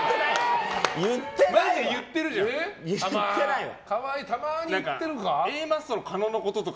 マジで言ってるじゃないですか。